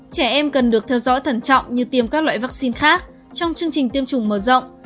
trẻ em cần được theo dõi thẩn trọng như tiêm các loại vắc xin khác trong chương trình tiêm chủng mở rộng